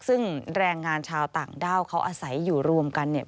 ซึ่งแรงงานชาวต่างด้าวเขาอาศัยอยู่รวมกันเนี่ย